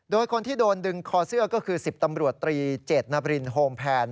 โดยคนที่โดนดึงคอเสื้อก็คือ๑๐ตำรวจตรีเจตนาบรินโฮมแพน